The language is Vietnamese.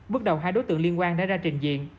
bước đầu hai đối tượng liên quan đã ra trình diện